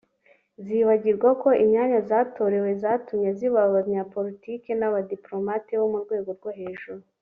zibagirwa ko imyanya zatorewe yatumye ziba abanyapolitiki n’abadipolomate bo mu rwego rwo hejuru